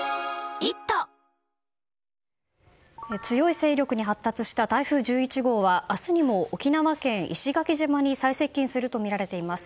強い勢力に発達した台風１１号は明日にも沖縄県石垣島に最接近するとみられています。